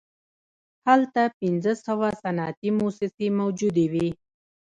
هلته پنځه سوه صنعتي موسسې موجودې وې